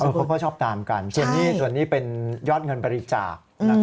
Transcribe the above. พวกเขาชอบตามกันส่วนนี้เป็นยอดเงินบริจาค